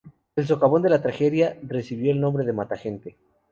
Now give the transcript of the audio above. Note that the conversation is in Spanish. El socavón de la tragedia recibió el nombre "mata gente".